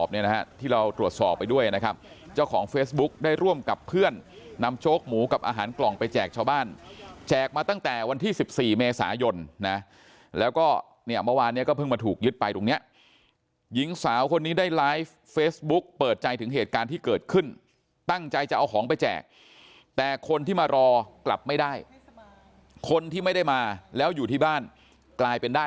เนี่ยนะฮะที่เราตรวจสอบไปด้วยนะครับเจ้าของเฟซบุ๊กได้ร่วมกับเพื่อนนำโจ๊กหมูกับอาหารกล่องไปแจกชาวบ้านแจกมาตั้งแต่วันที่๑๔เมษายนนะแล้วก็เนี่ยเมื่อวานเนี่ยก็เพิ่งมาถูกยึดไปตรงเนี้ยหญิงสาวคนนี้ได้ไลฟ์เฟซบุ๊คเปิดใจถึงเหตุการณ์ที่เกิดขึ้นตั้งใจจะเอาของไปแจกแต่คนที่มารอกลับไม่ได้คนที่ไม่ได้มาแล้วอยู่ที่บ้านกลายเป็นด